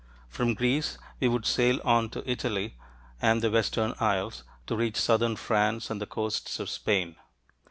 From Greece, we would sail on to Italy and the western isles, to reach southern France and the coasts of Spain.